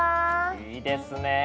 いいですね。